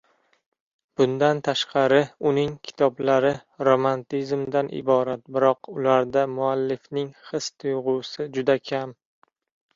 Bundan tashqari, uning kitoblari romantizmdan iborat, biroq ularda muallifning his-tuyg‘usi juda kam.